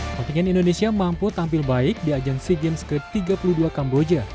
ketika indonesia mampu tampil baik di ajansi games ke tiga puluh dua kamboja